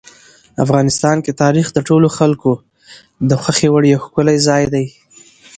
افغانستان کې تاریخ د ټولو خلکو د خوښې وړ یو ښکلی ځای دی.